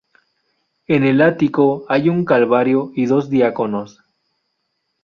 En el ático hay un calvario y dos diáconos.